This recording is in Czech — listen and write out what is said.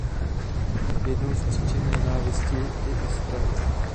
Jednou z příčin nenávisti je i strach.